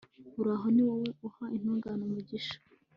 uhoraho, ni wowe uha intungane umugisha